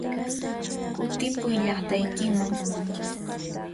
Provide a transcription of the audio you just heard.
Kutipuy llaqtaykiman!